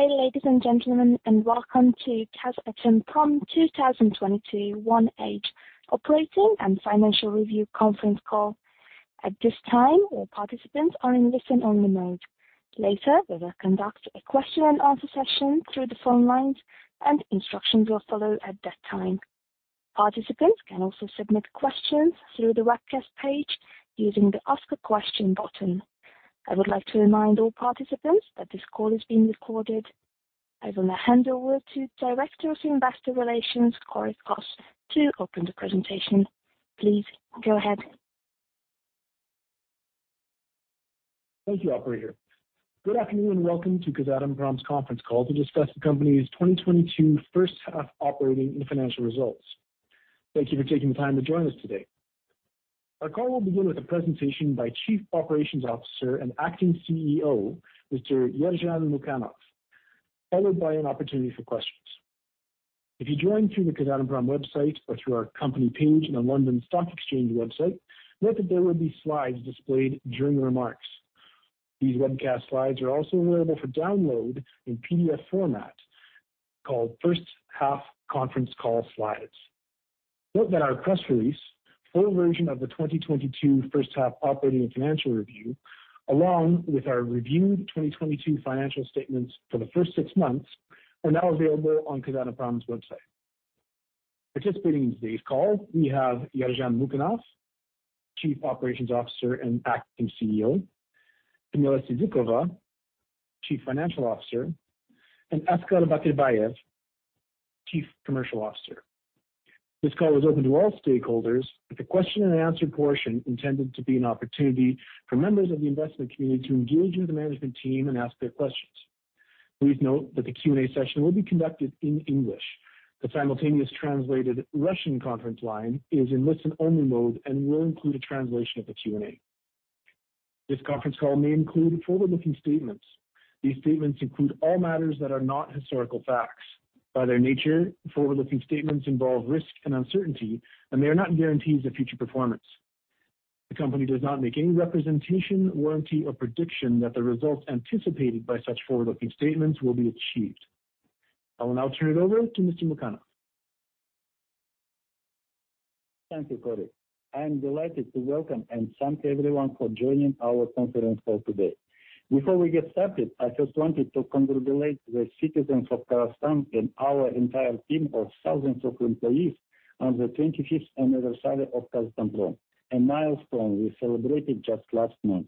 Good day, ladies and gentlemen, and welcome to Kazatomprom 2022 1H operating and financial review conference call. At this time, all participants are in listen only mode. Later, we will conduct a question and answer session through the phone lines, and instructions will follow at that time. Participants can also submit questions through the webcast page using the Ask a Question button. I would like to remind all participants that this call is being recorded. I will now hand over to Director of Investor Relations, Cory Kos, to open the presentation. Please go ahead. Thank you, operator. Good afternoon, and welcome to Kazatomprom's conference call to discuss the company's 2022 first half operating and financial results. Thank you for taking the time to join us today. Our call will begin with a presentation by Chief Operations Officer and acting CEO, Mr. Yerzhan Mukanov, followed by an opportunity for questions. If you joined through the Kazatomprom website or through our company page on the London Stock Exchange website, note that there will be slides displayed during the remarks. These webcast slides are also available for download in PDF format called First Half Conference Call Slides. Note that our press release, full version of the 2022 first half operating and financial review, along with our reviewed 2022 financial statements for the first six months, are now available on Kazatomprom's website. Participating in today's call, we have Yerzhan Mukanov, Chief Operations Officer and acting CEO, Kamila Syzdykova, Chief Financial Officer, and Askar Batyrbayev, Chief Commercial Officer. This call is open to all stakeholders, with the question and answer portion intended to be an opportunity for members of the investment community to engage with the management team and ask their questions. Please note that the Q&A session will be conducted in English. The simultaneous translated Russian conference line is in listen-only mode and will include a translation of the Q&A. This conference call may include forward-looking statements. These statements include all matters that are not historical facts. By their nature, forward-looking statements involve risk and uncertainty, and they are not guarantees of future performance. The company does not make any representation, warranty, or prediction that the results anticipated by such forward-looking statements will be achieved. I will now turn it over to Mr. Yerzhan Mukanov. Thank you, Cory. I am delighted to welcome and thank everyone for joining our conference call today. Before we get started, I just wanted to congratulate the citizens of Kazakhstan and our entire team of thousands of employees on the 25th anniversary of Kazatomprom, a milestone we celebrated just last month.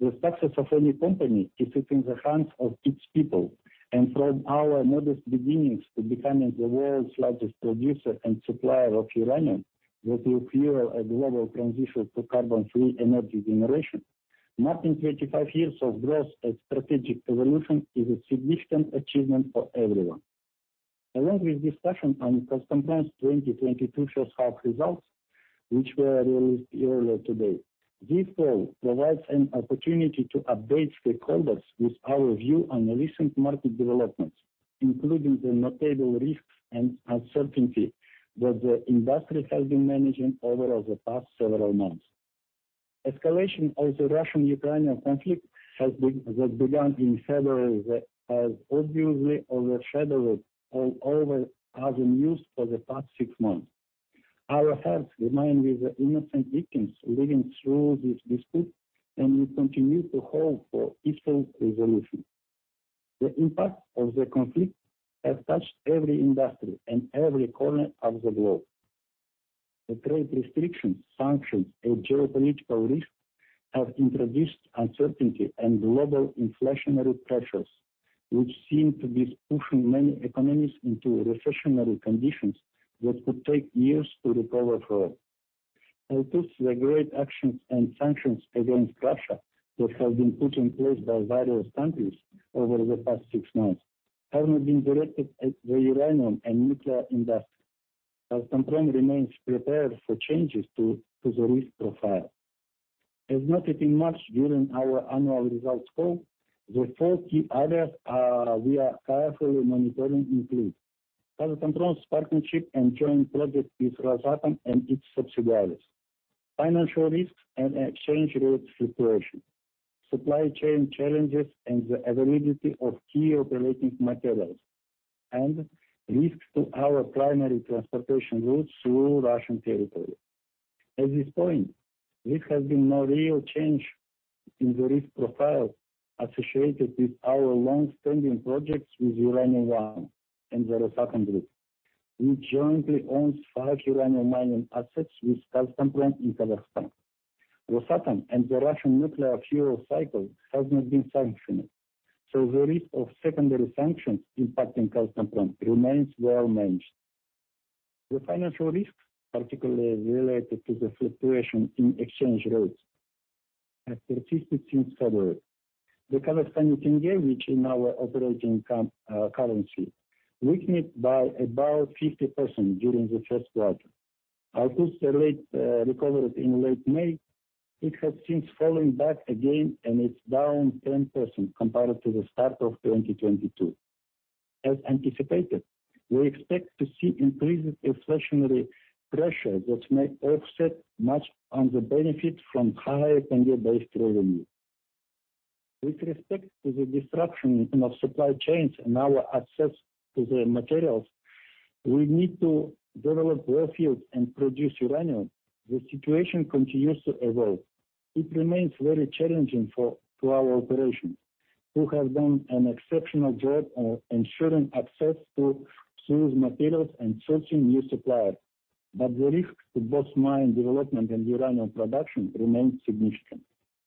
The success of any company is within the hands of its people, and from our modest beginnings to becoming the world's largest producer and supplier of uranium that will fuel a global transition to carbon-free energy generation, marking 25 years of growth and strategic evolution is a significant achievement for everyone. Along with discussion on Kazatomprom's 2022 first half results, which were released earlier today, this call provides an opportunity to update stakeholders with our view on the recent market developments, including the notable risks and uncertainty that the industry has been managing over the past several months. Escalation of the Russian-Ukrainian conflict that began in February that has obviously overshadowed all other news for the past six months. Our hearts remain with the innocent victims living through this dispute, and we continue to hope for peaceful resolution. The impact of the conflict has touched every industry and every corner of the globe. The trade restrictions, sanctions, and geopolitical risk have introduced uncertainty and global inflationary pressures, which seem to be pushing many economies into recessionary conditions that could take years to recover from. Although the great actions and sanctions against Russia that have been put in place by various countries over the past six months have not been directed at the uranium and nuclear industry, Kazatomprom remains prepared for changes to the risk profile. As noted in March during our annual results call, the four key areas we are carefully monitoring include Kazatomprom's partnership and joint project with Rosatom and its subsidiaries, financial risks and exchange rate fluctuation, supply chain challenges and the availability of key operating materials, and risks to our primary transportation routes through Russian territory. At this point, there has been no real change in the risk profile associated with our long-standing projects with Uranium One and the Rosatom group, which jointly owns five uranium mining assets with Kazatomprom in Kazakhstan. Rosatom and the Russian nuclear fuel cycle has not been sanctioned, so the risk of secondary sanctions impacting Kazatomprom remains well managed. The financial risks, particularly related to the fluctuation in exchange rates, have persisted since February. The Kazakhstani tenge, which in our operating currency, weakened by about 50% during the first quarter. Although it has recovered in late May, it has since fallen back again, and it's down 10% compared to the start of 2022. As anticipated, we expect to see increased inflationary pressure that may offset much of the benefit from higher tenge-based revenue. With respect to the disruption in our supply chains and our access to the materials we need to develop ore fields and produce uranium. The situation continues to evolve. It remains very challenging for our operations, who have done an exceptional job on ensuring access to materials and searching new suppliers. The risk to both mine development and uranium production remains significant.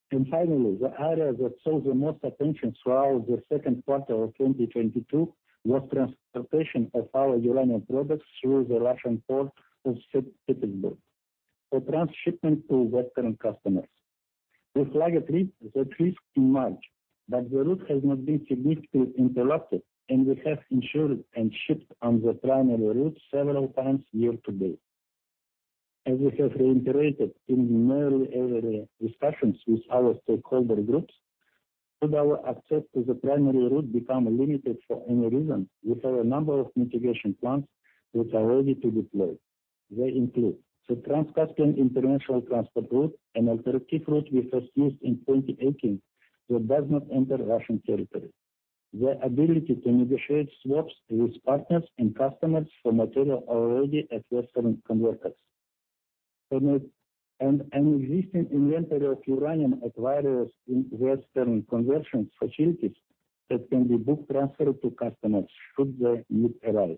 Finally, the area that saw the most attention throughout the second quarter of 2022 was transportation of our uranium products through the Russian port of St. Petersburg for transshipment to western customers. We flagged a risk, the risk in March, but the route has not been significantly interrupted, and we have ensured and shipped on the primary route several times year to date. As we have reiterated in nearly every discussions with our stakeholder groups, should our access to the primary route become limited for any reason, we have a number of mitigation plans which are ready to deploy. They include the Trans-Caspian International Transport Route, an alternative route we first used in 2018 that does not enter Russian territory. The ability to negotiate swaps with partners and customers for material already at western converters. An existing inventory of uranium at various western conversion facilities that can be book transfer to customers should the need arise.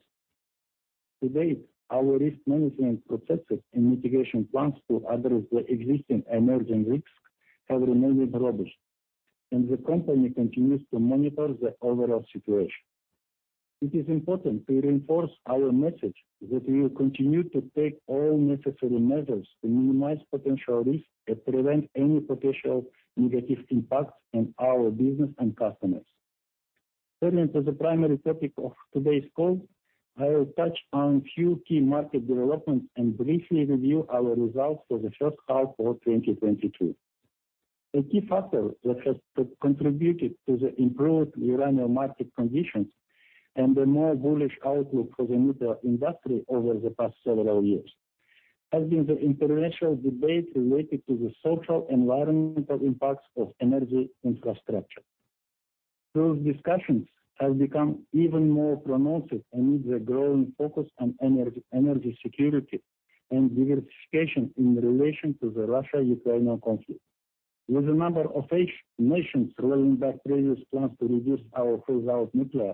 To date, our risk management processes and mitigation plans to address the existing emerging risks have remained robust, and the company continues to monitor the overall situation. It is important to reinforce our message that we will continue to take all necessary measures to minimize potential risk and prevent any potential negative impact on our business and customers. Turning to the primary topic of today's call, I will touch on a few key market developments and briefly review our results for the first half of 2022. A key factor that has contributed to the improved uranium market conditions and a more bullish outlook for the nuclear industry over the past several years has been the international debate related to the social and environmental impacts of energy infrastructure. Those discussions have become even more prominent amid the growing focus on energy security and diversification in relation to the Russia-Ukraine conflict. With a number of nations rolling back previous plans to reduce or phase out nuclear,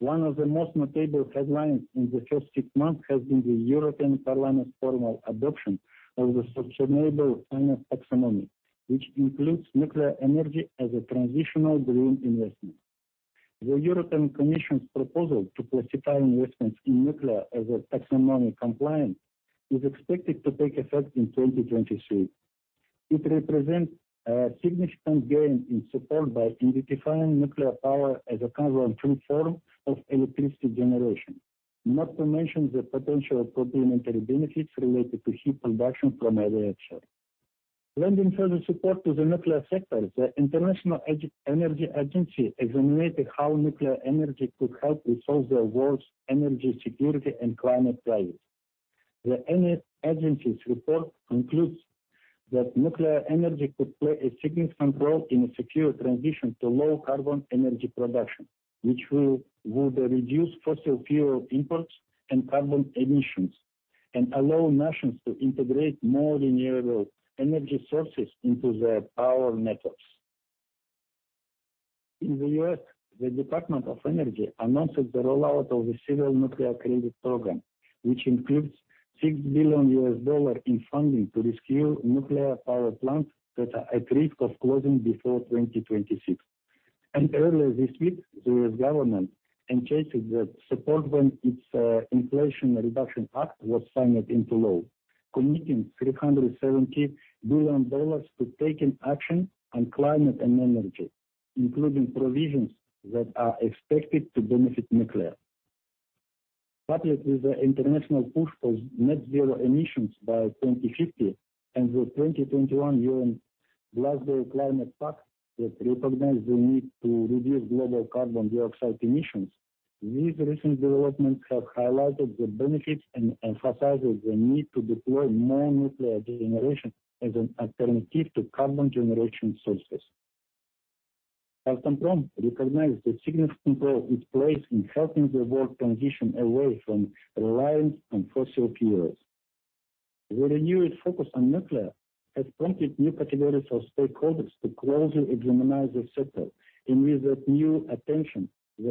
one of the most notable headlines in the first six months has been the European Parliament's formal adoption of the Sustainable Finance Taxonomy, which includes nuclear energy as a transitional green investment. The European Commission's proposal to classify investments in nuclear as a taxonomy-compliant is expected to take effect in 2023. It represents a significant gain in support by identifying nuclear power as a carbon-free form of electricity generation. Not to mention the potential complementary benefits related to heat production from reactors. Lending further support to the nuclear sector, the International Energy Agency examined how nuclear energy could help resolve the world's energy security and climate crisis. The IEA's report concludes that nuclear energy could play a significant role in a secure transition to low carbon energy production, which would reduce fossil fuel imports and carbon emissions and allow nations to integrate more renewable energy sources into their power networks. In the U.S., the Department of Energy announced the rollout of the Civil Nuclear Credit Program, which includes $6 billion in funding to rescue nuclear power plants that are at risk of closing before 2026. Earlier this week, the U.S. government indicated its support when its Inflation Reduction Act was signed into law, committing $370 billion to taking action on climate and energy, including provisions that are expected to benefit nuclear. Coupled with the international push for net zero emissions by 2050 and the 2021 UN Glasgow Climate Pact that recognized the need to reduce global carbon dioxide emissions, these recent developments have highlighted the benefits and emphasize the need to deploy more nuclear generation as an alternative to carbon generation sources. Cameco recognizes the significant role it plays in helping the world transition away from reliance on fossil fuels. The renewed focus on nuclear has prompted new categories of stakeholders to closely examine the sector, and with that new attention,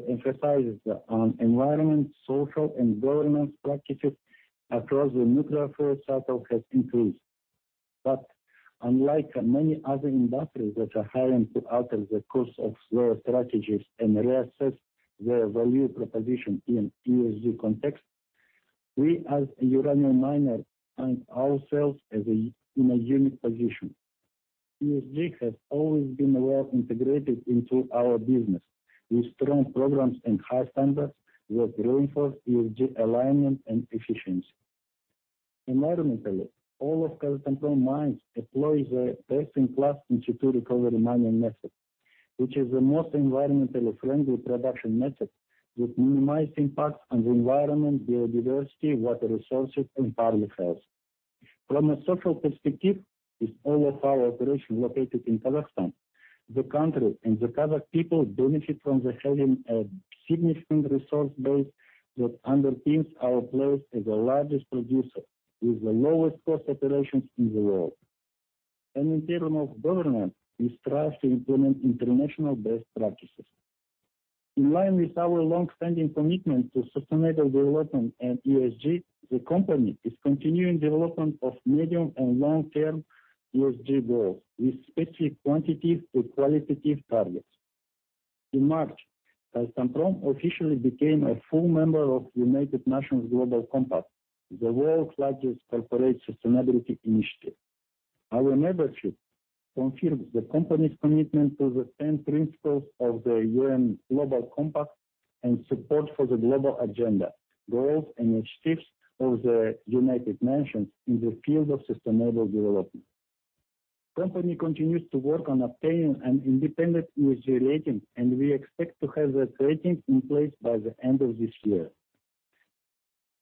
emphasis on environmental, social, and governance practices across the nuclear fuel cycle has increased. Unlike many other industries that are having to alter the course of their strategies and reassess their value proposition in ESG context, we as a uranium miner find ourselves in a unique position. ESG has always been well integrated into our business, with strong programs and high standards that reinforce ESG alignment and efficiency. Environmentally, all of Kazatomprom mines employs a best-in-class in situ recovery mining method, which is the most environmentally friendly production method with minimized impact on the environment, biodiversity, water resources, and public health. From a social perspective, with all of our operations located in Kazakhstan, the country and the Kazakh people benefit from having a significant resource base that underpins our place as the largest producer with the lowest cost operations in the world. In terms of governance, we strive to implement international best practices. In line with our longstanding commitment to sustainable development and ESG, the company is continuing development of medium and long-term ESG goals with specific quantitative and qualitative targets. In March, Kazatomprom officially became a full member of United Nations Global Compact, the world's largest corporate sustainability initiative. Our membership confirms the company's commitment to the ten principles of the UN Global Compact and support for the global agenda, goals, and initiatives of the United Nations in the field of sustainable development. Company continues to work on obtaining an independent ESG rating, and we expect to have that rating in place by the end of this year.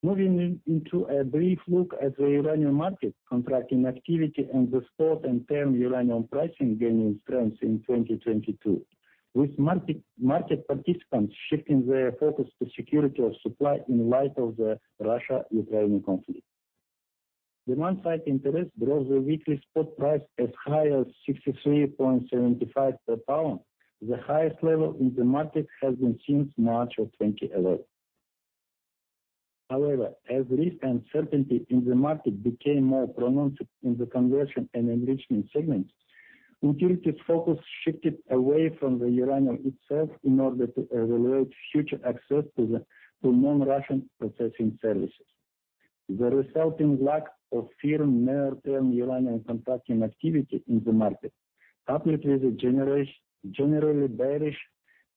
Moving into a brief look at the uranium market, contracting activity in the spot and term uranium pricing gaining strength in 2022, with market participants shifting their focus to security of supply in light of the Russian-Ukrainian conflict. Demand-side interest drove the weekly spot price as high as 63.75 per pound, the highest level in the market has been seen since March of 2011. However, as risk uncertainty in the market became more pronounced in the conversion and enrichment segments, utility focus shifted away from the uranium itself in order to evaluate future access to non-Russian processing services. The resulting lack of firm near-term uranium contracting activity in the market, coupled with the generally bearish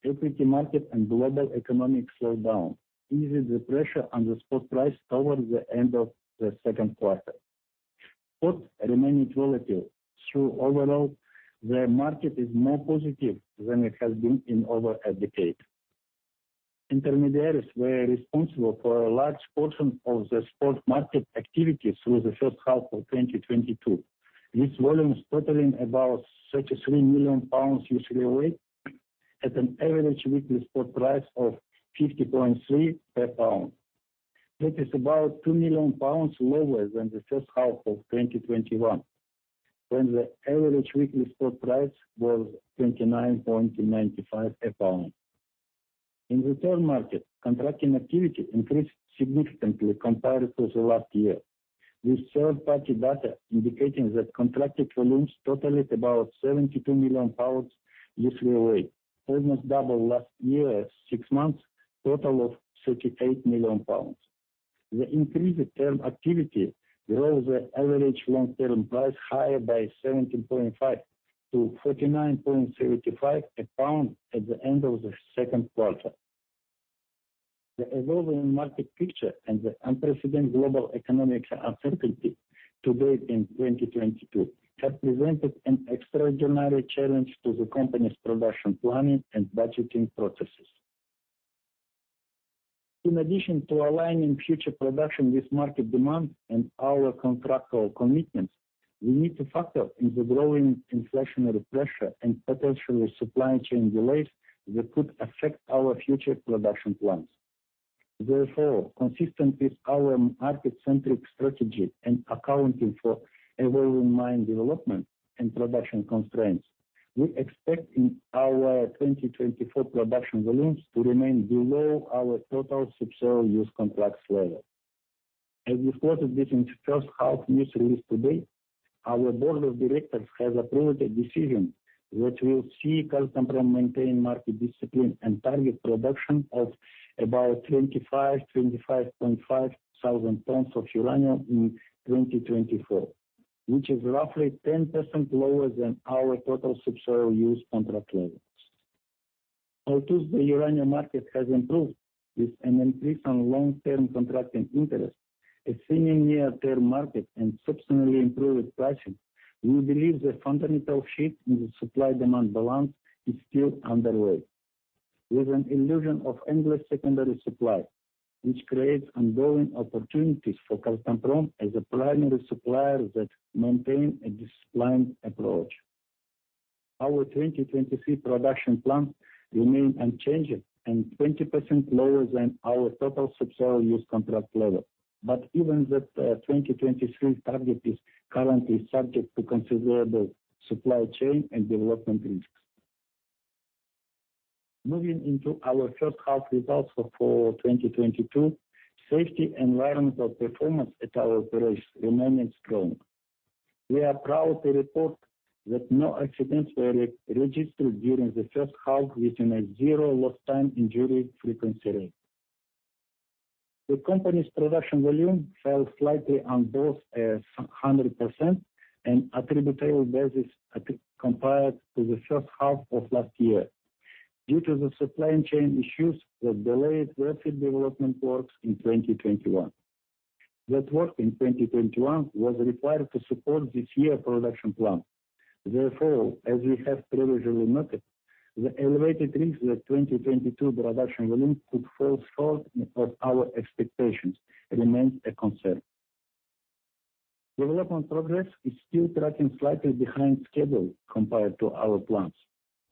equity market and global economic slowdown, eased the pressure on the spot price towards the end of the second quarter. Spots remaining relative through overall, the market is more positive than it has been in over a decade. Intermediaries were responsible for a large portion of the spot market activity through the first half of 2022, with volumes totaling about 33 million pounds U3O8 at an average weekly spot price of $50.3 per pound. That is about 2 million pounds lower than the first half of 2021, when the average weekly spot price was $29.95 a pound. In the term market, contracting activity increased significantly compared to the last year, with third-party data indicating that contracted volumes totaled about 72 million pounds U3O8, almost double last year's six months total of 38 million pounds. The increased term activity drove the average long-term price higher by 17.5 to $49.75 a pound at the end of the second quarter. The evolving market picture and the unprecedented global economic uncertainty to date in 2022 have presented an extraordinary challenge to the company's production planning and budgeting processes. In addition to aligning future production with market demand and our contractual commitments, we need to factor in the growing inflationary pressure and potential supply chain delays that could affect our future production plans. Therefore, consistent with our market-centric strategy and accounting for evolving mine development and production constraints, we expect our 2024 production volumes to remain below our total subsoil use contracts level. As reported within the first half news release today, our board of directors has approved a decision which will see Kazatomprom maintain market discipline and target production of about 25,000-25,500 tons of uranium in 2024, which is roughly 10% lower than our total subsoil use contract levels. Although the uranium market has improved with an increase on long-term contracting interest, a seemingly near-term market, and substantially improved pricing, we believe the fundamental shift in the supply-demand balance is still underway. With an illusion of endless secondary supply, which creates ongoing opportunities for Kazatomprom as a primary supplier that maintain a disciplined approach. Our 2023 production plans remain unchanged and 20% lower than our total subsoil use contract level. Even that, 2023 target is currently subject to considerable supply chain and development risks. Moving into our first half results for 2022, safety and environmental performance at our operations remained strong. We are proud to report that no accidents were registered during the first half with a 0 lost time injury frequency rate. The company's production volume fell slightly on both 100% and attributable basis compared to the first half of last year. Due to the supply chain issues that delayed rapid development works in 2021. That work in 2021 was required to support this year production plan. Therefore, as we have previously noted, the elevated risk that 2022 production volumes could fall short of our expectations remains a concern. Development progress is still tracking slightly behind schedule compared to our plans.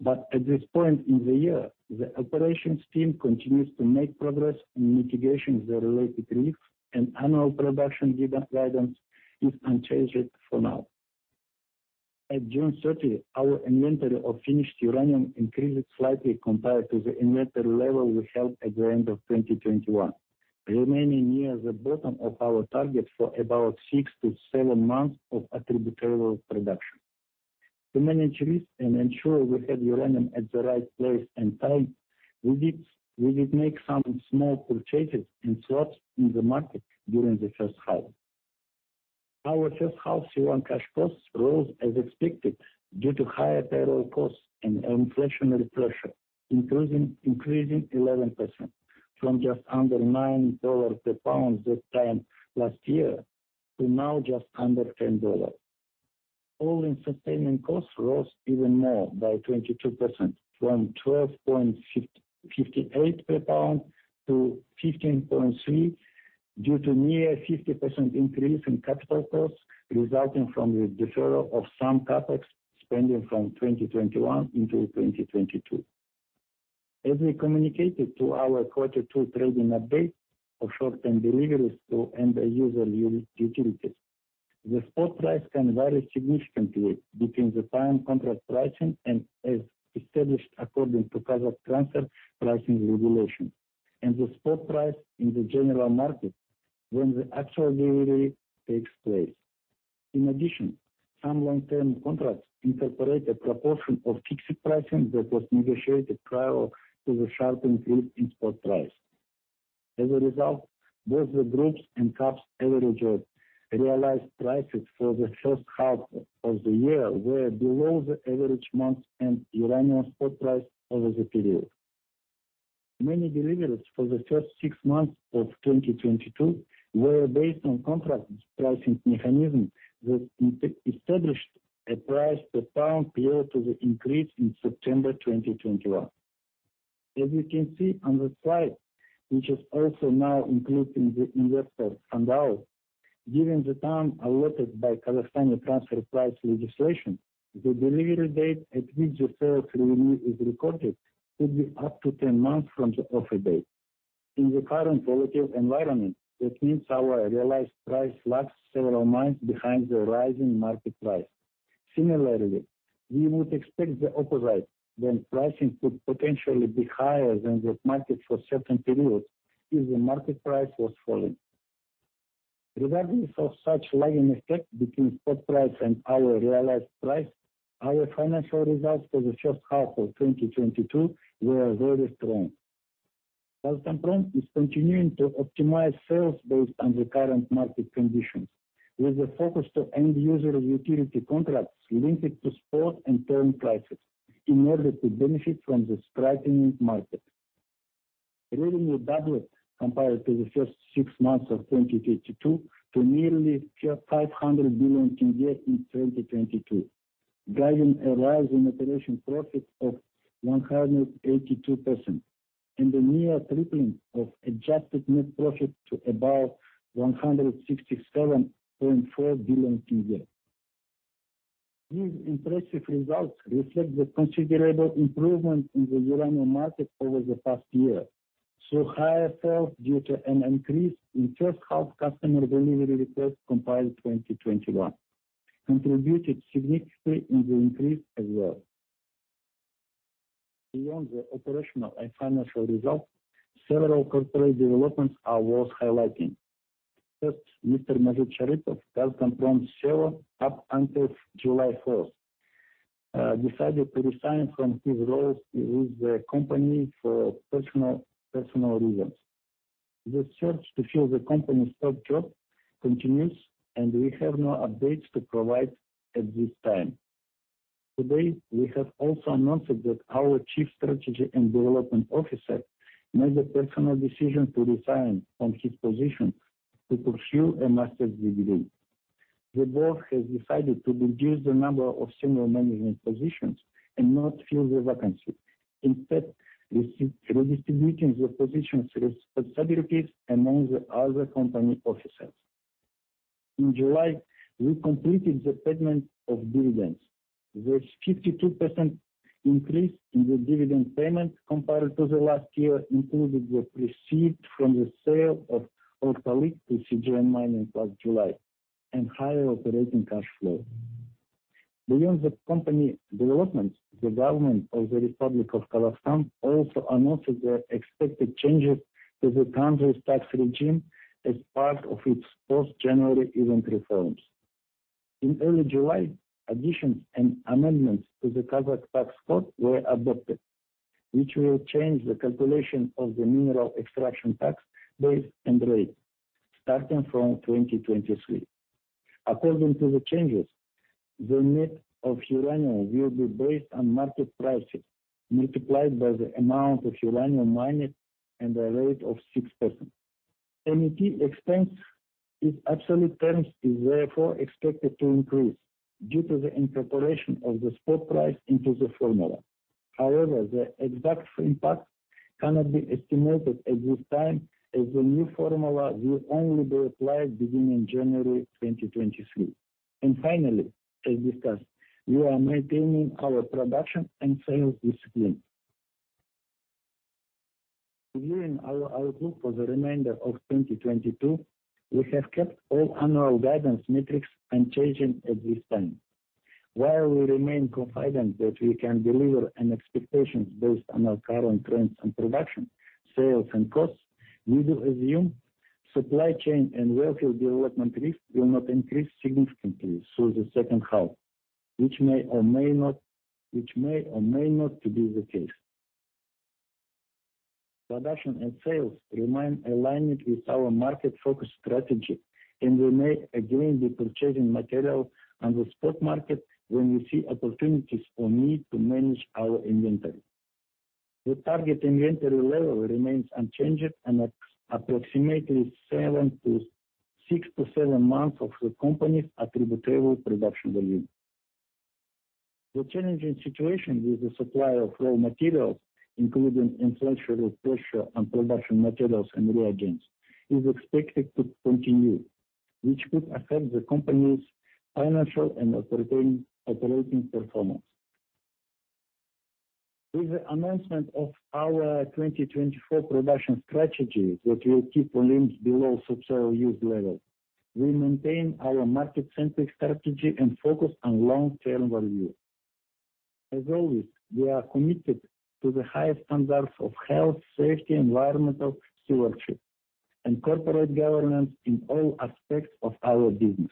At this point in the year, the operations team continues to make progress in mitigating the related risks, and annual production guidance is unchanged for now. At June 30, our inventory of finished uranium increased slightly compared to the inventory level we had at the end of 2021, remaining near the bottom of our target for about 6-7 months of attributable production. To manage risk and ensure we have uranium at the right place and time, we did make some small purchases and swaps in the market during the first half. Our first half C1 cash costs rose as expected due to higher payroll costs and inflationary pressure, including increasing 11% from just under $9 per pound that time last year to now just under $10. All-in sustaining costs rose even more by 22% from $12.58 per pound to $15.3 due to near 50% increase in capital costs resulting from the deferral of some CapEx spending from 2021 into 2022. As we communicated to our quarter two trading update of short-term deliveries to end-user utilities, the spot price can vary significantly between the time contract pricing is established according to Kazakh transfer pricing regulation and the spot price in the general market when the actual delivery takes place. In addition, some long-term contracts incorporate a proportion of fixed pricing that was negotiated prior to the sharp increase in spot price. As a result, both the Group's and KAP's average realized prices for the first half of the year were below the average month-end uranium spot price over the period. Many deliveries for the first six months of 2022 were based on contract pricing mechanism that established a price per pound prior to the increase in September 2021. As you can see on the slide, which is also now included in the investor handout, given the time allotted by Kazakhstani transfer price legislation, the delivery date at which the sales revenue is recorded could be up to 10 months from the offer date. In the current relative environment, that means our realized price lags several months behind the rising market price. Similarly, we would expect the opposite when pricing could potentially be higher than the market for certain periods if the market price was falling. Regardless of such lagging effect between spot price and our realized price, our financial results for the first half of 2022 were very strong. Kazatomprom is continuing to optimize sales based on the current market conditions, with a focus to end user utility contracts linked to spot and term prices in order to benefit from the strengthening market. Revenue doubled compared to the first six months of 2022 to nearly KZT 500 billion in 2022, driving a rise in operating profit of 182% and a near tripling of adjusted net profit to about KZT 167.4 billion. These impressive results reflect the considerable improvement in the uranium market over the past year, so higher sales due to an increase in first half customer delivery requests compared to 2021 contributed significantly in the increase as well. Beyond the operational and financial results, several corporate developments are worth highlighting. First, Mr. Mazhit Sharipov, Kazatomprom CEO up until July 4th, decided to resign from his role with the company for personal reasons. The search to fill the company's top job continues, and we have no updates to provide at this time. Today, we have also announced that our chief strategy and development officer made the personal decision to resign from his position to pursue a master's degree. The board has decided to reduce the number of senior management positions and not fill the vacancy. Instead, redistributing the position's responsibilities among the other company officers. In July, we completed the payment of dividends. This 52% increase in the dividend payment compared to the last year included the proceeds from the sale of Ortalyk to CGN Mining last July and higher operating cash flow. Beyond the company developments, the government of the Republic of Kazakhstan also announced the expected changes to the country's tax regime as part of its post-January events reforms. In early July, additions and amendments to the Kazakh tax code were adopted, which will change the calculation of the mineral extraction tax base and rate starting from 2023. According to the changes, the net of uranium will be based on market prices multiplied by the amount of uranium mined and a rate of 6%. MET expense in absolute terms is therefore expected to increase due to the incorporation of the spot price into the formula. However, the exact impact cannot be estimated at this time, as the new formula will only be applied beginning January 2023. Finally, as discussed, we are maintaining our production and sales discipline. Reviewing our outlook for the remainder of 2022, we have kept all annual guidance metrics unchanging at this time. While we remain confident that we can deliver on expectations based on our current trends and production, sales, and costs, we do assume supply chain and wellfield development risks will not increase significantly through the second half, which may or may not be the case. Production and sales remain aligned with our market-focused strategy, and we may again be purchasing material on the spot market when we see opportunities or need to manage our inventory. The target inventory level remains unchanged and at approximately six to seven months of the company's attributable production volume. The challenging situation with the supply of raw materials, including inflationary pressure on production materials and reagents, is expected to continue, which could affect the company's financial and operating performance. With the announcement of our 2024 production strategy that will keep volumes below subsoil use level, we maintain our market-centric strategy and focus on long-term value. As always, we are committed to the highest standards of health, safety, environmental stewardship, and corporate governance in all aspects of our business.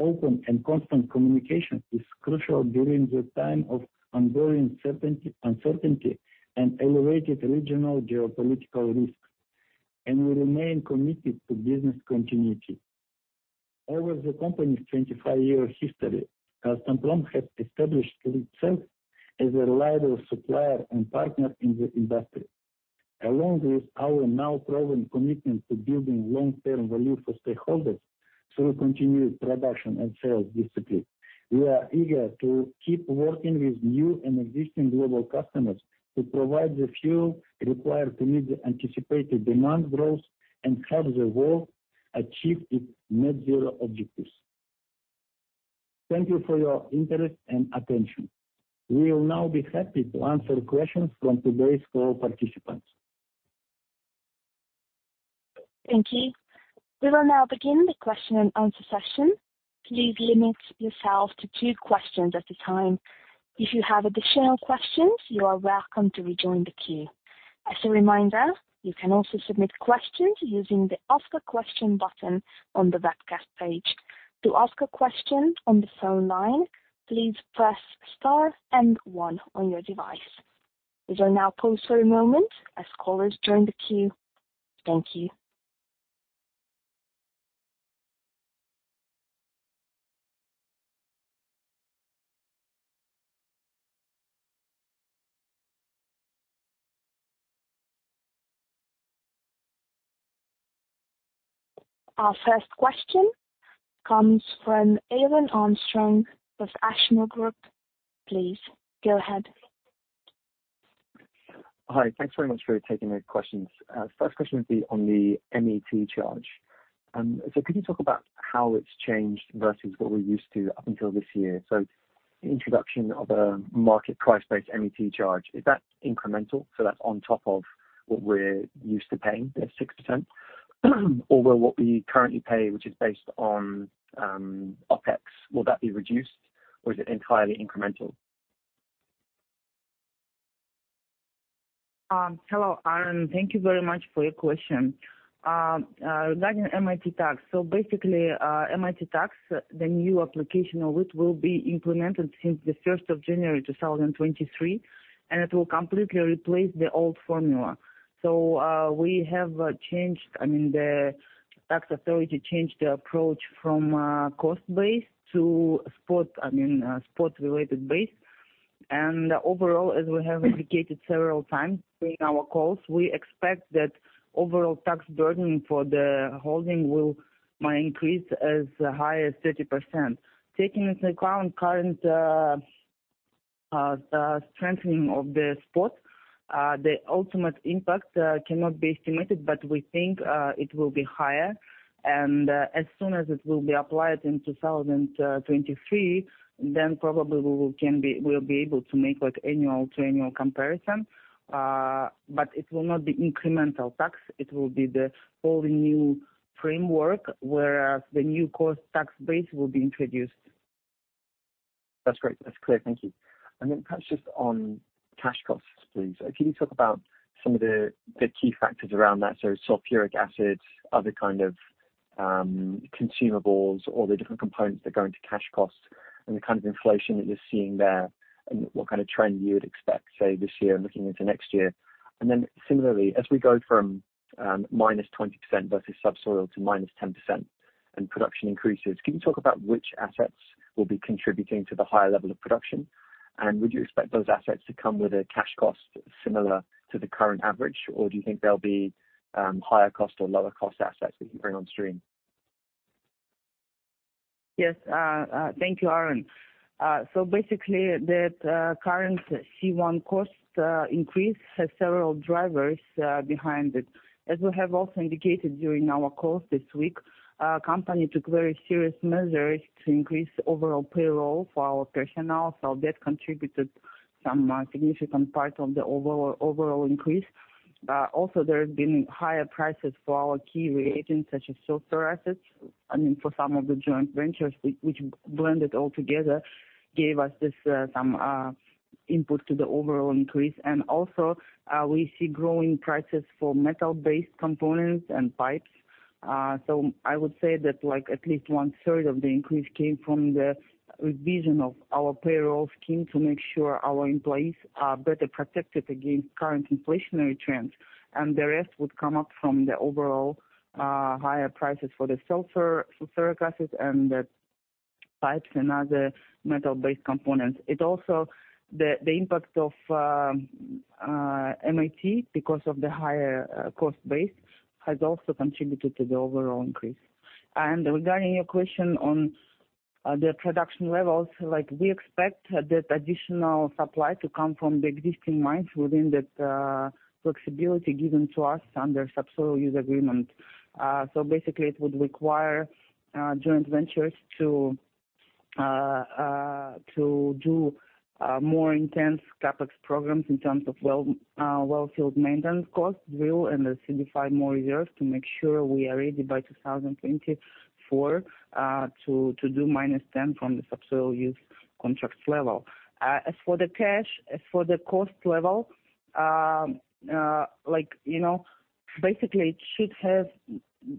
Open and constant communication is crucial during this time of ongoing uncertainty and elevated regional geopolitical risks, and we remain committed to business continuity. Over the company's 25-year history, Kazatomprom has established itself as a reliable supplier and partner in the industry. Along with our now proven commitment to building long-term value for stakeholders through continued production and sales discipline, we are eager to keep working with new and existing global customers to provide the fuel required to meet the anticipated demand growth and help the world achieve its net zero objectives. Thank you for your interest and attention. We will now be happy to answer questions from today's call participants. Thank you. We will now begin the question and answer session. Please limit yourself to two questions at a time. If you have additional questions, you are welcome to rejoin the queue. As a reminder, you can also submit questions using the Ask a Question button on the webcast page. To ask a question on the phone line, please press star and one on your device. We will now pause for a moment as callers join the queue. Thank you. Our first question comes from Aaron Armstrong of Ashmore Group. Please go ahead. Hi. Thanks very much for taking the questions. First question would be on the MET charge. Could you talk about how it's changed versus what we're used to up until this year? The introduction of a market price-based MET charge, is that incremental? That's on top of what we're used to paying, the 6%? Or will what we currently pay, which is based on OpEx, will that be reduced, or is it entirely incremental? Hello, Aaron. Thank you very much for your question. Regarding MET tax, basically, MET tax, the new application of it will be implemented since the first of January 2023, and it will completely replace the old formula. The tax authority changed the approach from cost base to spot, I mean, spot-related base. Overall, as we have indicated several times during our calls, we expect that overall tax burden for the holding might increase as high as 30%. Taking into account current strengthening of the spot, the ultimate impact cannot be estimated, but we think it will be higher. As soon as it will be applied in 2023, then probably we'll be able to make like annual to annual comparison. It will not be incremental tax. It will be the whole new framework, whereas the new corporate tax base will be introduced. That's great. That's clear. Thank you. Perhaps just on cash costs, please. Can you talk about some of the key factors around that? Sulfuric acid, other kind of consumables or the different components that go into cash costs and the kind of inflation that you're seeing there and what kind of trend you would expect, say, this year and looking into next year. Similarly, as we go from -20% versus subsoil to -10% and production increases. Can you talk about which assets will be contributing to the higher level of production? Would you expect those assets to come with a cash cost similar to the current average, or do you think they'll be higher cost or lower cost assets that you bring on stream? Yes. Thank you, Aaron. Basically that current C1 cost increase has several drivers behind it. We have also indicated during our calls this week, our company took very serious measures to increase overall payroll for our personnel, so that contributed some significant part of the overall increase. Also there have been higher prices for our key reagents, such as sulfuric acid. I mean, for some of the joint ventures which blended altogether gave us this some input to the overall increase. We see growing prices for metal-based components and pipes. I would say that like at least one-third of the increase came from the revision of our payroll scheme to make sure our employees are better protected against current inflationary trends. The rest would come up from the overall higher prices for the sulfuric acid and the pipes and other metal-based components. It also. The impact of MET because of the higher cost base has also contributed to the overall increase. Regarding your question on the production levels, like we expect that additional supply to come from the existing mines within that flexibility given to us under subsoil use contracts. Basically it would require joint ventures to do more intense CapEx programs in terms of well field maintenance costs. Drill and identify more reserves to make sure we are ready by 2024 to do -10% from the subsoil use contracts level. As for the cash, as for the cost level, like, you know, basically it should have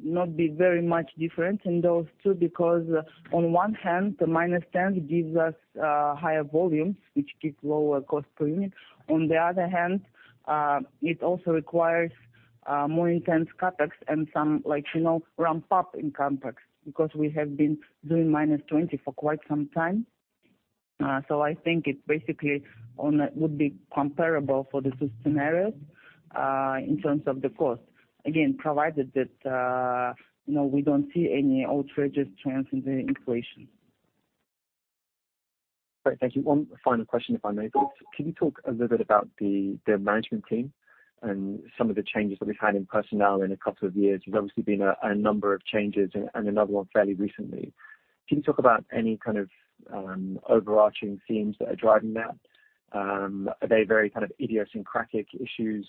not be very much different in those two, because on one hand, the -10 gives us higher volumes, which keeps lower cost per unit. On the other hand, it also requires more intense CapEx and some like, you know, ramp up in CapEx, because we have been doing -20 for quite some time. I think it basically would be comparable for the two scenarios in terms of the cost. Again, provided that, you know, we don't see any outrageous trends in the inflation. Great, thank you. One final question, if I may, please. Can you talk a little bit about the management team and some of the changes that we've had in personnel in a couple of years? There's obviously been a number of changes and another one fairly recently. Can you talk about any kind of overarching themes that are driving that? Are they very kind of idiosyncratic issues?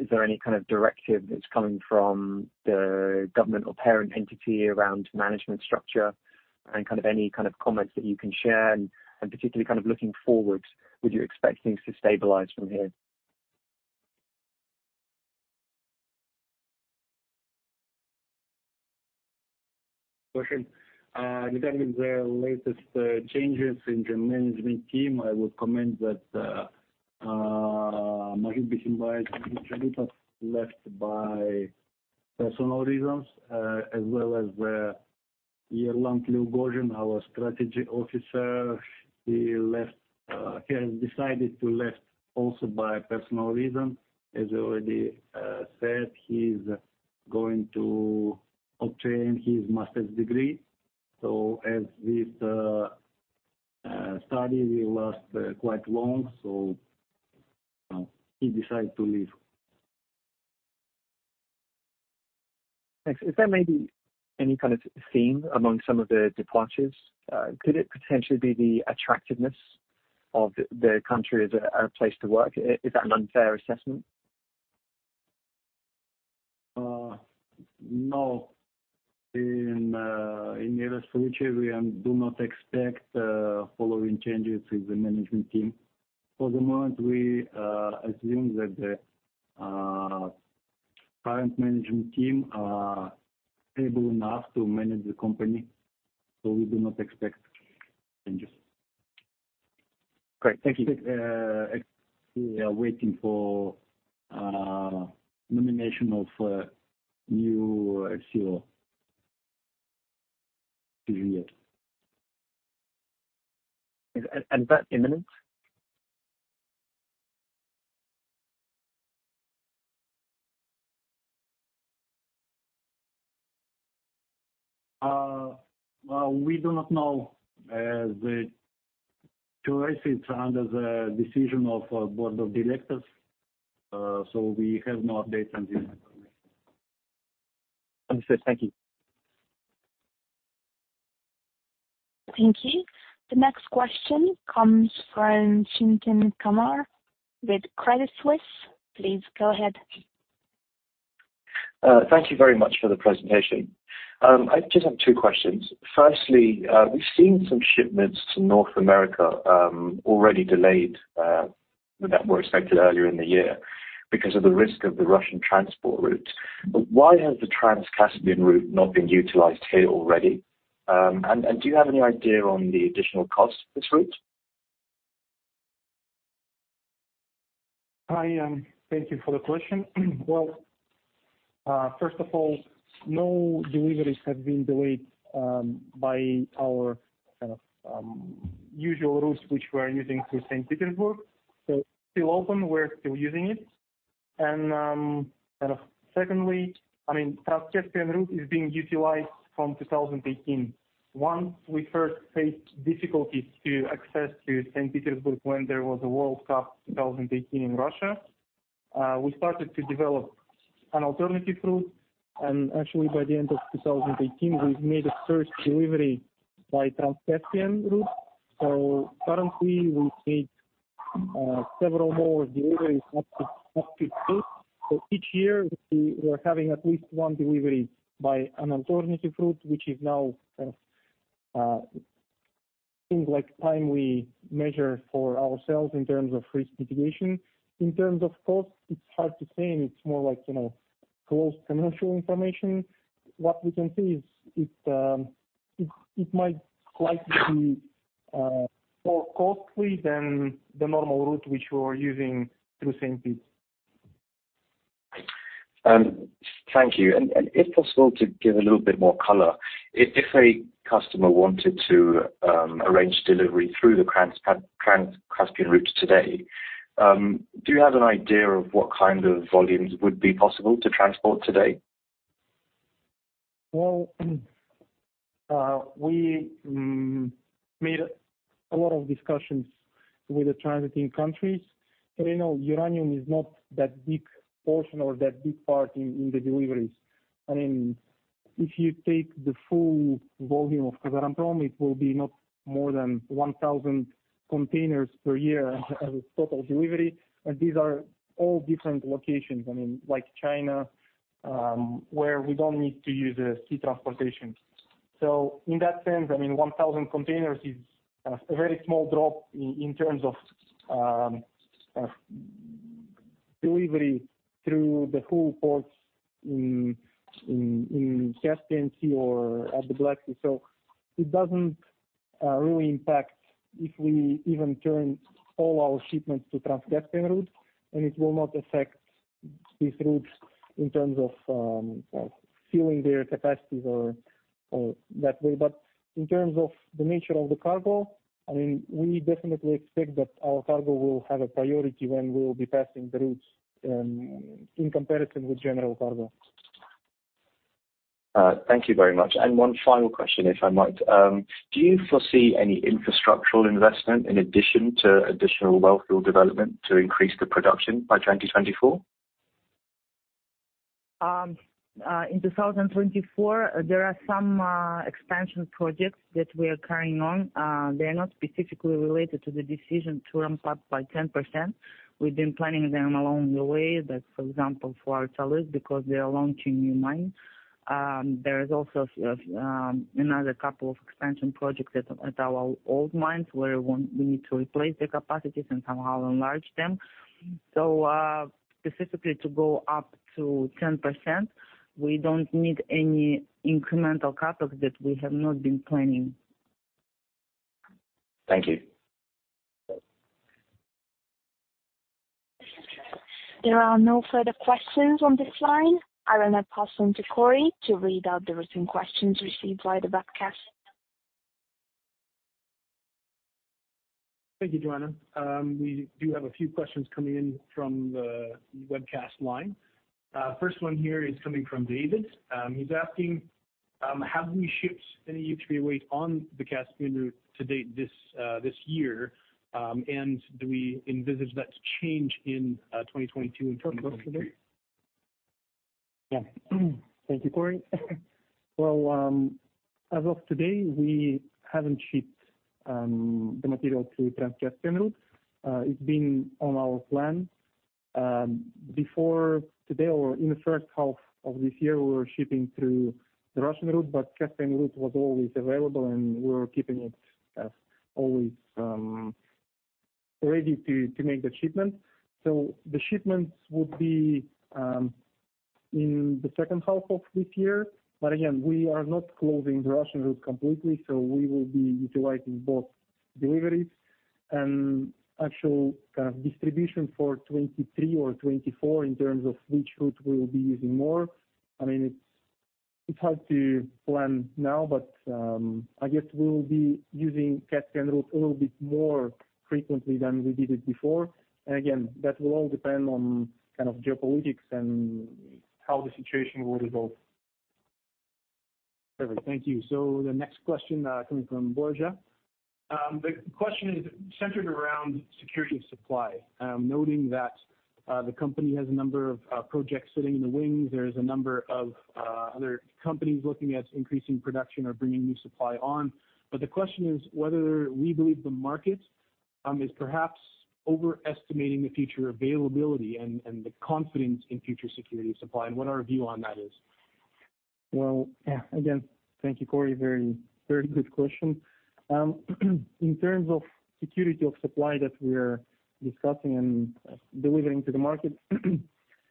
Is there any kind of directive that's coming from the government or parent entity around management structure and any kind of comments that you can share? Particularly kind of looking forward, would you expect things to stabilize from here? Question. Regarding the latest changes in the management team, I would comment that Mukhıt Bıkbaev and Dmitry Litov left for personal reasons, as well as Yerlan Lugovoy, our Strategy Officer. He left, he has decided to leave also for personal reason. As I already said, he's going to obtain his master's degree. As his study will last quite long, so he decided to leave. Thanks. Is there maybe any kind of theme among some of the departures? Could it potentially be the attractiveness of the country as a place to work? Is that an unfair assessment? No. In Erostovich we do not expect following changes in the management team. For the moment, we assume that the current management team are able enough to manage the company, so we do not expect changes. Great, thank you. We are waiting for nomination of new CEO to be made. Is that imminent? Well, we do not know, as the choice is under the decision of our board of directors, so we have no updates on this information. Understood. Thank you. Thank you. The next question comes from Chintan Kumar with Credit Suisse. Please go ahead. Thank you very much for the presentation. I just have two questions. Firstly, we've seen some shipments to North America, already delayed, that were expected earlier in the year because of the risk of the Russian transport routes. Why has the Trans-Caspian route not been utilized here already? Do you have any idea on the additional cost of this route? Hi, thank you for the question. Well, first of all, no deliveries have been delayed by our kind of usual routes which we're using through St. Petersburg. Still open, we're still using it. Kind of secondly, I mean, Trans-Caspian route is being utilized from 2018. Once we first faced difficulties to access to St. Petersburg when there was a World Cup in 2018 in Russia, we started to develop an alternative route. Actually by the end of 2018, we've made a first delivery by Trans-Caspian route. Currently we've made several more deliveries up to date. Each year we are having at least one delivery by an alternative route, which is now seems like timely measure for ourselves in terms of risk mitigation. In terms of cost, it's hard to say, and it's more like, you know, close commercial information. What we can say is it might likely be more costly than the normal route which we're using through St. Petes. Thank you. If possible, to give a little bit more color. If a customer wanted to arrange delivery through the Trans-Caspian route today, do you have an idea of what kind of volumes would be possible to transport today? We made a lot of discussions with the transiting countries. You know, uranium is not that big portion or that big part in the deliveries. I mean, if you take the full volume of Kazatomprom, it will be not more than 1,000 containers per year as total delivery. These are all different locations. I mean, like China, where we don't need to use sea transportation. In that sense, I mean, 1,000 containers is a very small drop in terms of delivery through the whole ports in Caspian Sea or at the Black Sea. It doesn't really impact if we even turn all our shipments to Trans-Caspian route, and it will not affect these routes in terms of filling their capacities or that way. In terms of the nature of the cargo, I mean, we definitely expect that our cargo will have a priority when we will be passing the routes, in comparison with general cargo. Thank you very much. One final question, if I might. Do you foresee any infrastructural investment in addition to additional wellfield development to increase the production by 2024? In 2024, there are some expansion projects that we are carrying on. They are not specifically related to the decision to ramp up by 10%. We've been planning them along the way. That's, for example, for Ortalyk is because we are launching new mine. There is also another couple of expansion projects at our old mines where we need to replace the capacities and somehow enlarge them. Specifically to go up to 10%, we don't need any incremental CapEx that we have not been planning. Thank you. There are no further questions on this line. I will now pass on to Cory to read out the written questions received via the webcast. Thank you, Joanna. We do have a few questions coming in from the webcast line. First one here is coming from David. He's asking, have we shipped any U3O8 on the Caspian route to date this year? And do we envisage that to change in 2022 and further? Yeah. Thank you, Cory. Well, as of today, we haven't shipped the material to Trans-Caspian route. It's been on our plan before today or in the first half of this year, we were shipping through the Russian route, but Caspian route was always available, and we were keeping it as always ready to make the shipment. The shipments would be in the second half of this year. Again, we are not closing the Russian route completely, so we will be utilizing both deliveries. Actual distribution for 2023 or 2024 in terms of which route we will be using more, I mean, it's hard to plan now, but I guess we'll be using Caspian route a little bit more frequently than we did it before. Again, that will all depend on kind of geopolitics and how the situation will evolve. Perfect. Thank you. The next question coming from Borja. The question is centered around security of supply. Noting that the company has a number of projects sitting in the wings. There is a number of other companies looking at increasing production or bringing new supply on. The question is whether we believe the market is perhaps overestimating the future availability and the confidence in future security of supply, and what our view on that is. Well, yeah. Again, thank you, Corey. Very, very good question. In terms of security of supply that we are discussing and delivering to the market,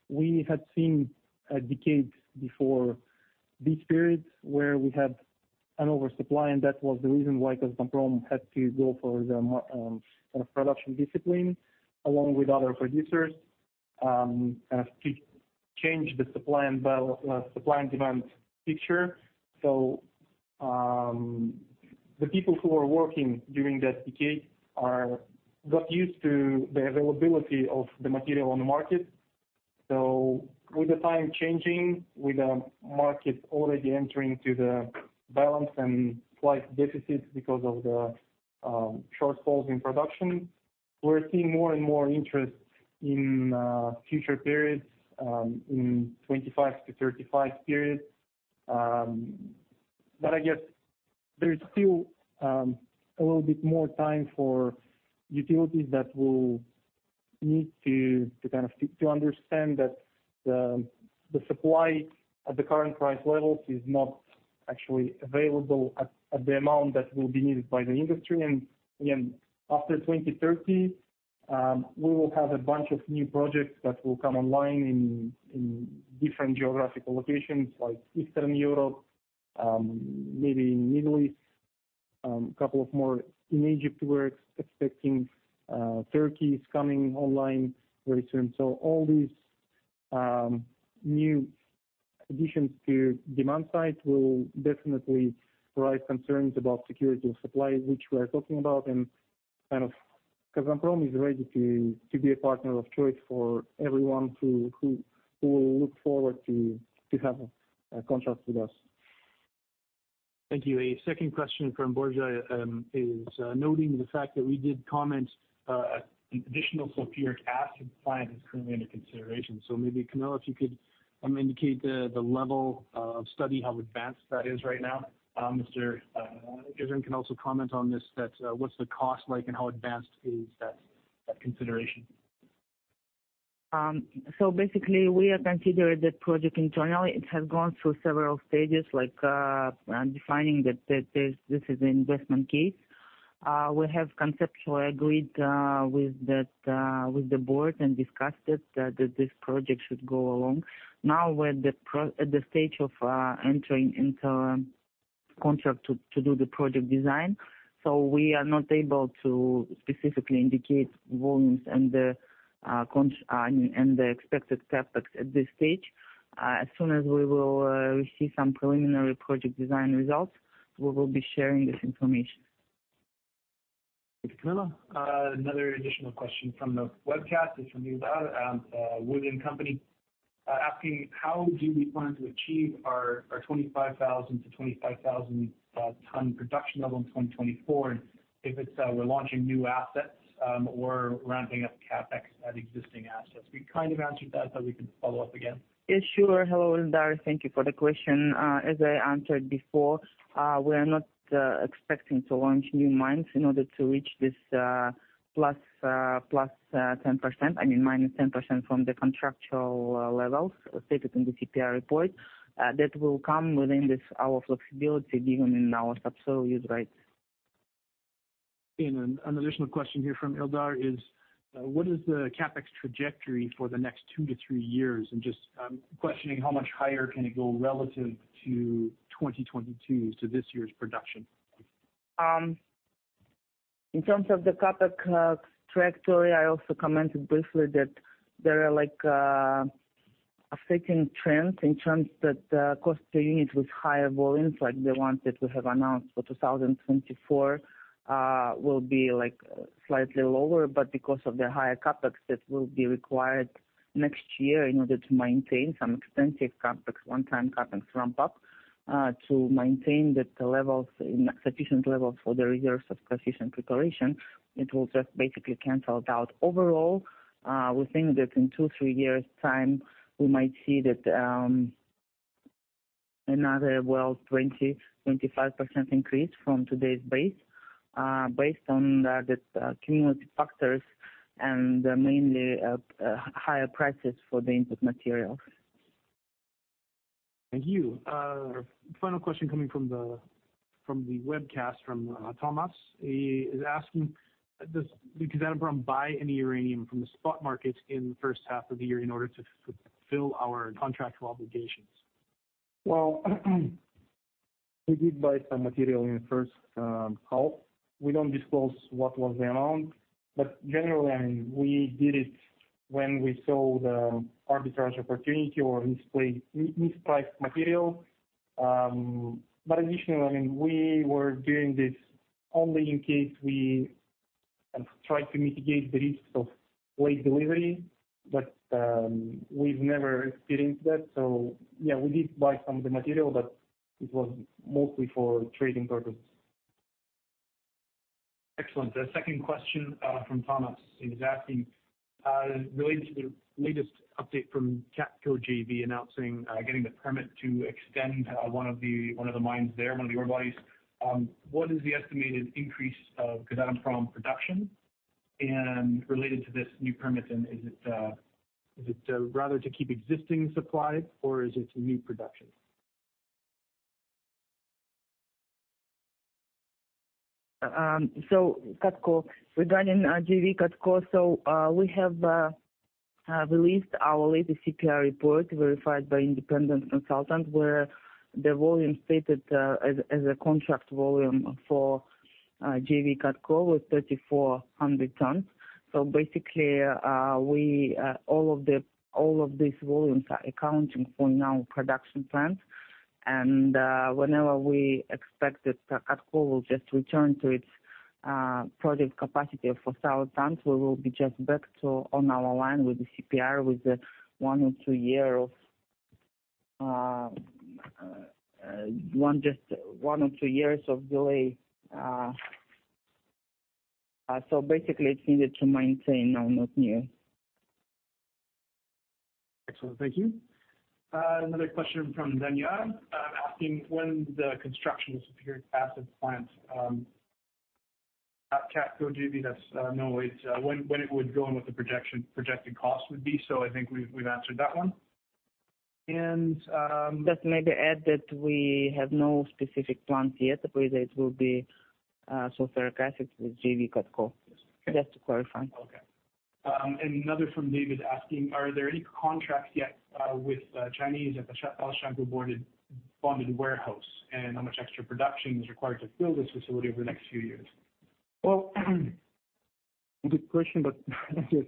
we had seen a decade before this period where we had oversupply, and that was the reason why Kazatomprom had to go for kind of production discipline along with other producers, kind of to change the supply and demand picture. The people who are working during that decade got used to the availability of the material on the market. With the time changing, with the market already entering to the balance and slight deficits because of the shortfalls in production, we're seeing more and more interest in future periods, in 2025-2035 period. I guess there is still a little bit more time for utilities that will need to kind of understand that the supply at the current price levels is not actually available at the amount that will be needed by the industry. Again, after 2030, we will have a bunch of new projects that will come online in different geographical locations like Eastern Europe, maybe in Middle East, couple of more in Egypt, we're expecting, Turkey is coming online very soon. All these new additions to demand side will definitely raise concerns about security of supply, which we are talking about and kind of Kazatomprom is ready to be a partner of choice for everyone who will look forward to have a contract with us. Thank you. A second question from Borja is noting the fact that we did comment an additional sulfuric acid plant is currently under consideration. Maybe Kamila Syzdykova, if you could indicate the level of study, how advanced that is right now. Yerzhan Mukanov can also comment on this, what's the cost like and how advanced is that consideration? Basically we are considering that project internally. It has gone through several stages like defining that this is investment case. We have conceptually agreed with the board and discussed it that this project should go along. Now, we're at the stage of entering into contract to do the project design. We are not able to specifically indicate volumes and the, I mean, and the expected CapEx at this stage. As soon as we will receive some preliminary project design results, we will be sharing this information. Thanks, Kamila. Another additional question from the webcast is from Eldar at Halyk Finance, asking how do we plan to achieve our 25,000-25,000 ton production level in 2024? If it's we're launching new assets or ramping up CapEx at existing assets. We kind of answered that, but we can follow up again. Yes, sure. Hello, Eldar. Thank you for the question. As I answered before, we are not expecting to launch new mines in order to reach this plus 10%. I mean, minus 10% from the contractual levels stated in the CPR report. That will come within this, our flexibility given in our subsoil use rights. An additional question here from Eldar is, what is the CapEx trajectory for the next 2-3 years? Just questioning how much higher can it go relative to 2022, so this year's production. In terms of the CapEx trajectory, I also commented briefly that there are like a second trend in terms that cost per unit with higher volumes like the ones that we have announced for 2024 will be like slightly lower, but because of the higher CapEx that will be required next year in order to maintain some extensive CapEx, one-time CapEx ramp up to maintain that the levels in sufficient levels for the reserves of sufficient preparation, it will just basically cancel out. Overall, we think that in 2-3 years' time, we might see that another, well, 20-25% increase from today's base based on the cumulative factors and mainly higher prices for the input materials. Thank you. Final question coming from the webcast from Thomas. He is asking, does the Kazatomprom buy any uranium from the spot markets in the first half of the year in order to fill our contractual obligations? Well, we did buy some material in the first half. We don't disclose what was the amount. Generally, I mean, we did it when we saw the arbitrage opportunity or misplaced, mispriced material. Additionally, I mean, we were doing this only in case we try to mitigate the risks of late delivery, but we've never experienced that. Yeah, we did buy some of the material, but it was mostly for trading purpose. Excellent. The second question from Thomas is asking related to the latest update from Kazatomprom JV announcing getting the permit to extend one of the mines there, one of the ore bodies. What is the estimated increase of Kazatomprom production and related to this new permit and is it rather to keep existing supply or is it new production? Regarding JV KATCO, we have released our latest CPR report verified by independent consultant, where the volume stated as a contract volume for JV KATCO with 3,400 tons. Basically, all of these volumes are accounting for now production plans. Whenever we expect that KATCO will just return to its project capacity of 4,000 tons, we will be just back to on our line with the CPR with the one or two years of delay. Basically it's needed to maintain now, not new. Excellent. Thank you. Another question from Daniel asking when the construction of sulfuric acid plant at KATCO JV would go and what the projected cost would be. I think we've answered that one. And, um- Just maybe add that we have no specific plans yet, but it will be sulfuric acid with JV KATCO. Yes. Just to clarify. Okay. Another from David asking, are there any contracts yet with Chinese at the Alashankou bonded warehouse? How much extra production is required to fill this facility over the next few years? Well, good question, but just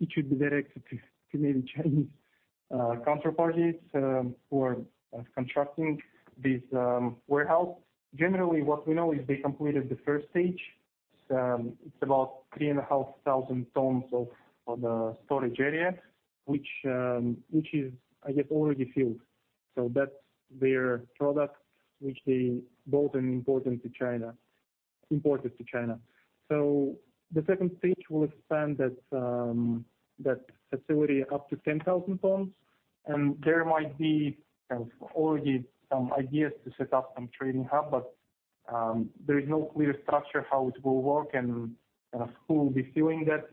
it should be directed to maybe Chinese counterparties who are constructing this warehouse. Generally, what we know is they completed the first stage. It's about 3,500 tons of the storage area, which is I guess already filled. So that's their product, which they bought and imported to China. The second stage will expand that facility up to 10,000 tons, and there might be kind of already some ideas to set up some trading hub, but there is no clear structure how it will work and who will be doing that,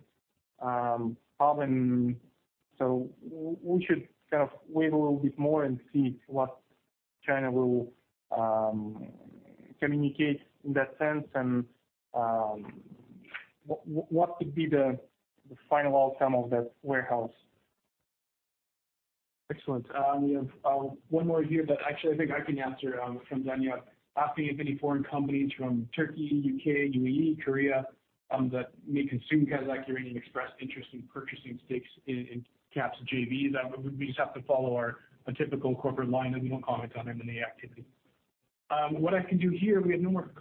problem. We should kind of wait a little bit more and see what China will communicate in that sense and what could be the final outcome of that warehouse. Excellent. We have one more here that actually I think I can answer from Daniel. Asking if any foreign companies from Turkey, U.K., UAE, Korea that may consume Kazakh uranium expressed interest in purchasing stakes in KAP's JV. That we just have to follow our typical corporate line, and we won't comment on any activity. What I can do here, we have no more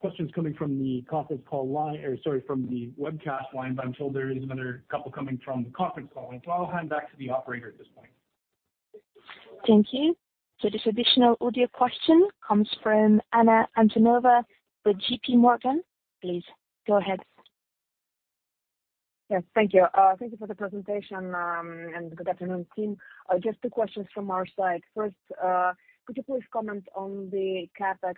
questions coming from the conference call line or sorry, from the webcast line, but I'm told there is another couple coming from the conference call. I'll hand back to the operator at this point. Thank you. This additional audio question comes from Anna Antonova with JPMorgan. Please go ahead. Yes, thank you. Thank you for the presentation, and good afternoon team. Just two questions from our side. First, could you please comment on the CapEx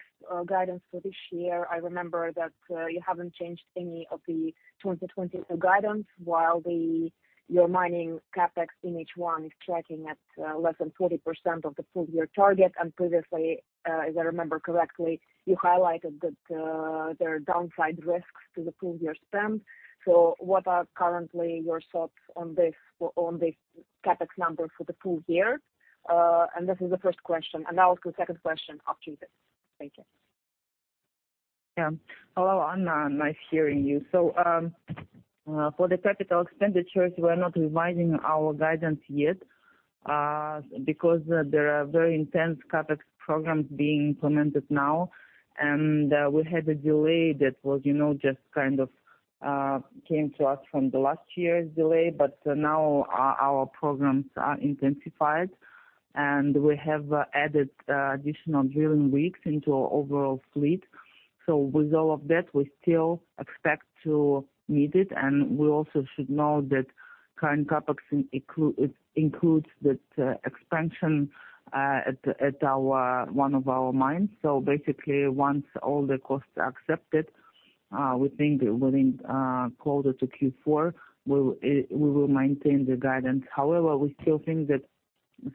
guidance for this year? I remember that, you haven't changed any of the 2020 guidance while your mining CapEx in H1 is tracking at, less than 40% of the full year target. Previously, if I remember correctly, you highlighted that, there are downside risks to the full year spend. What are currently your thoughts on this CapEx number for the full year? This is the first question, and I'll ask the second question after this. Thank you. Yeah. Hello, Anna. Nice hearing you. For the capital expenditures, we're not revising our guidance yet, because there are very intense CapEx programs being implemented now. We had a delay that was, you know, just kind of came to us from the last year's delay. Now our programs are intensified, and we have added additional drilling rigs into our overall fleet. With all of that, we still expect to meet it. We also should note that current CapEx includes that expansion at one of our mines. Basically once all the costs are accepted, we think within closer to Q4 we will maintain the guidance. However, we still think that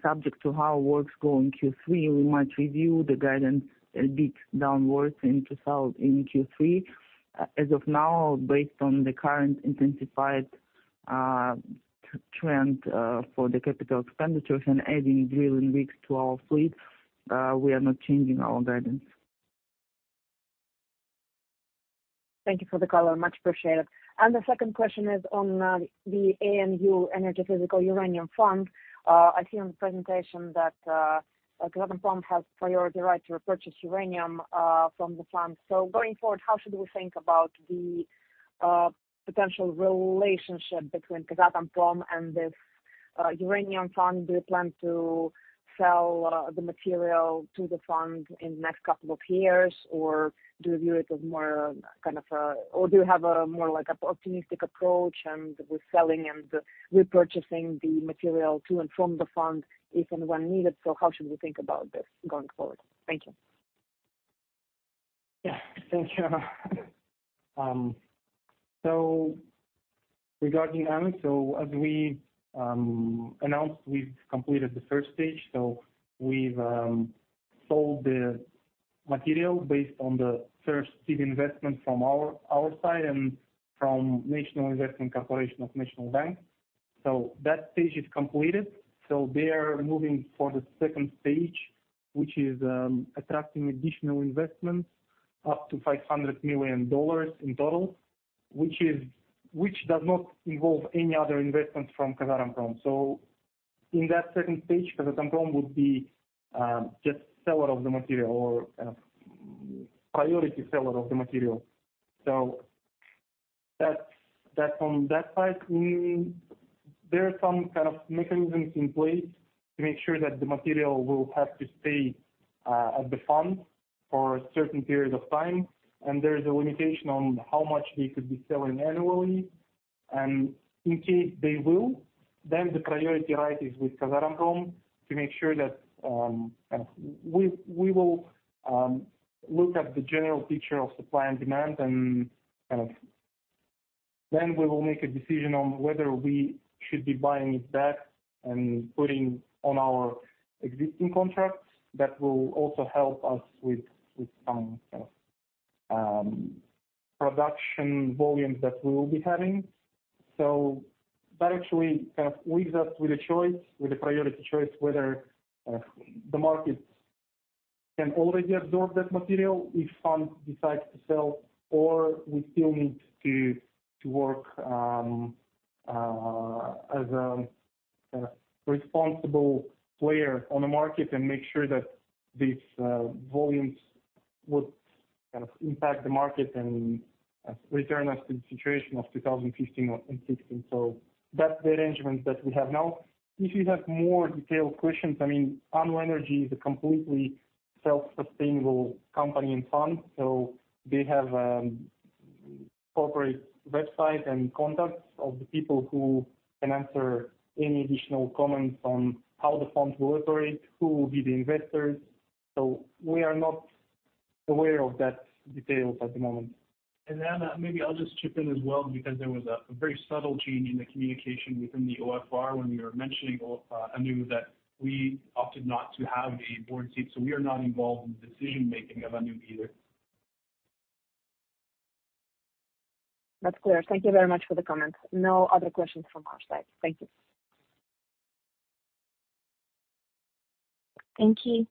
subject to how works go in Q3, we might review the guidance a bit downwards in Q3. As of now, based on the current intensified trend, for the capital expenditures and adding drilling rigs to our fleet, we are not changing our guidance. Thank you for the color, much appreciated. The second question is on the ANU Energy Physical Uranium Fund. I see on the presentation that Kazatomprom has priority right to purchase uranium from the fund. Going forward, how should we think about the potential relationship between Kazatomprom and this uranium fund? Do you plan to sell the material to the fund in the next couple of years? Or do you have a more like opportunistic approach and with selling and repurchasing the material to and from the fund if and when needed? How should we think about this going forward? Thank you. Yeah. Thank you. Regarding ANU Energy, as we announced, we've completed the first stage. We've sold the material based on the first seed investment from our side and from National Investment Corporation of the National Bank of Kazakhstan. That stage is completed. They are moving for the second stage, which is attracting additional investment up to $500 million in total, which does not involve any other investments from Kazatomprom. In that second stage, Kazatomprom would be just seller of the material or kind of priority seller of the material. That's on that side. There are some kind of mechanisms in place to make sure that the material will have to stay at the fund for a certain period of time. There is a limitation on how much they could be selling annually. In case they will, then the priority right is with Kazatomprom to make sure that we will look at the general picture of supply and demand and kind of then we will make a decision on whether we should be buying it back and putting on our existing contracts that will also help us with production volumes that we will be having. That actually kind of leaves us with a choice, with a priority choice whether the market can already absorb that material if fund decides to sell, or we still need to work as a responsible player on the market and make sure that these volumes would kind of impact the market and return us to the situation of 2015 or 2016. That's the arrangement that we have now. If you have more detailed questions, I mean, ANU Energy is a completely self-sustainable company and fund, so they have corporate website and contacts of the people who can answer any additional comments on how the fund will operate, who will be the investors. We are not aware of those details at the moment. Anna, maybe I'll just chip in as well because there was a very subtle change in the communication within the OFR when we were mentioning of ANU that we opted not to have a board seat, so we are not involved in the decision making of ANU either. That's clear. Thank you very much for the comments. No other questions from our side. Thank you. Thank you.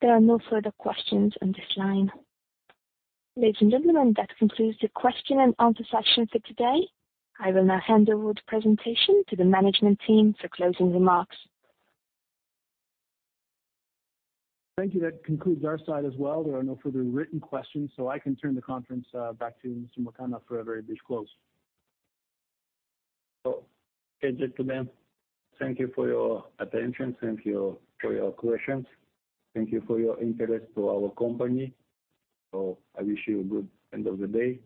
There are no further questions on this line. Ladies and gentlemen, that concludes the question and answer session for today. I will now hand over the presentation to the management team for closing remarks. Thank you. That concludes our side as well. There are no further written questions, so I can turn the conference back to Mr. Mukanov for a very brief close. Okay, gentlemen, thank you for your attention. Thank you for your questions. Thank you for your interest to our company. I wish you a good end of the day.